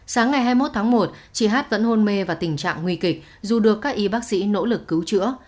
sáng ngày hai mươi một tháng một chị hát vẫn hôn mê và tình trạng nguy kịch dù được các y bác sĩ nỗ lực cứu chữa